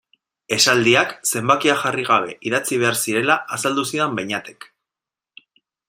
Esaldiak zenbakia jarri gabe idatzi behar zirela azaldu zidan Beñatek.